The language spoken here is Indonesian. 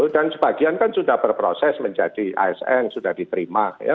dan sebagian kan sudah berproses menjadi asn sudah diterima